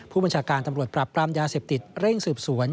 ผู้บัญชาการตำรวจปรับปรามยาเสพติดเร่งสืบสวน